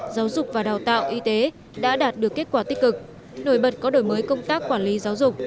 giáo dục và đào tạo y tế đã đạt được kết quả tích cực nổi bật có đổi mới công tác quản lý giáo dục